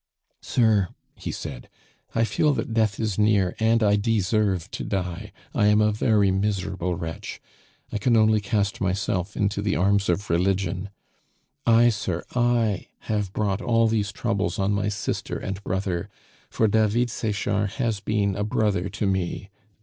"Sir," he said, "I feel that death is near, and I deserve to die. I am a very miserable wretch; I can only cast myself into the arms of religion. I, sir, I have brought all these troubles on my sister and brother, for David Sechard has been a brother to me.